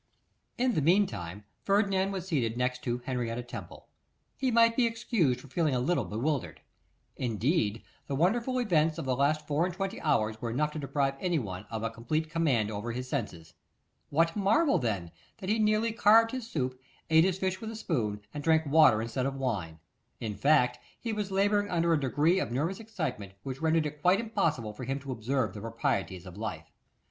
In the meantime, Ferdinand was seated next to Henrietta Temple. He might be excused for feeling a little bewildered. Indeed, the wonderful events of the last four and twenty hours were enough to deprive anyone of a complete command over his senses. What marvel, then, that he nearly carved his soup, ate his fish with a spoon; and drank water instead of wine! In fact, he was labouring under a degree of nervous excitement which rendered it quite impossible for him to observe the proprieties of life.